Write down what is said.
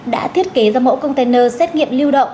đã thiết kế ra mẫu container xét nghiệm lưu động